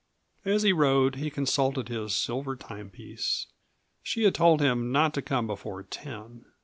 As he rode he consulted his silver timepiece. She had told him not to come before ten.